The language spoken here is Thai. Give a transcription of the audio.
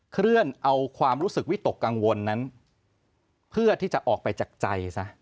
เคลื่อนเอาความรู้สึกวิตกกังวลนั้นเพื่อที่จะออกไปจากใจซะ